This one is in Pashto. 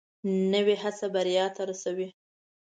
نوې هڅه بریا ته رسوي